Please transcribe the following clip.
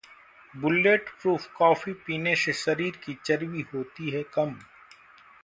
bulletproof coffee पीने से शरीर की चर्बी होती है कम